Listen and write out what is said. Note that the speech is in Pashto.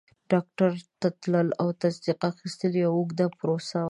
ډاکټر ته تلل او تصدیق اخیستل یوه اوږده پروسه وه.